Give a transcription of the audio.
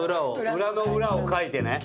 裏の裏をかいてね。